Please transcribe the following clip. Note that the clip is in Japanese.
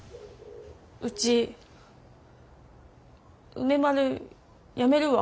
ウチ梅丸やめるわ。